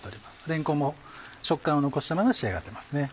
れんこんも食感を残したまま仕上がってますね。